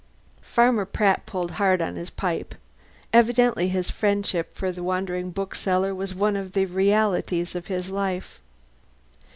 Farmer Pratt pulled hard on his pipe. Evidently his friendship for the wandering bookseller was one of the realities of his life.